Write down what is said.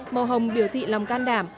màu hồng biểu thị lòng can đảm